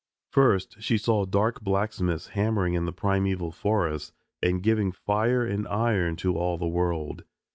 First she saw dark blacksmiths hammering in the primeval forests and giving fire and iron to all the world.